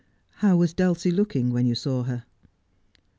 How was Dulcie looking when you saw her?'